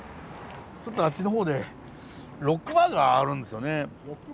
ちょっとあっちのほうでロックバーがあるんですよね。